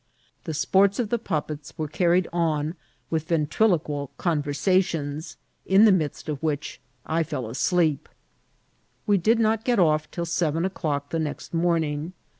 The sports oi the puppets were carried on with yentriloquial conyersationSi in the midst of which I feU asleep. We did not get off till seven o'clock the next morn ing.